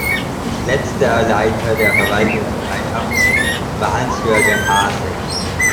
Letzter Leiter der Verwaltungsgemeinschaft war Hans-Jürgen Haase.